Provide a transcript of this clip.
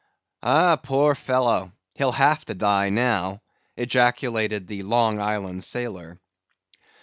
"Ah! poor fellow! he'll have to die now," ejaculated the Long Island sailor.